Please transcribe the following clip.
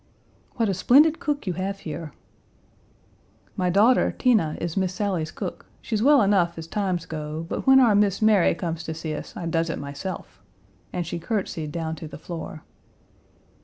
"What a splendid cook you have here." "My daughter, Tenah, is Miss Sally's cook. She's well enough as times go, but when our Miss Mary comes to see us I does it myself," and she courtesied down to the floor.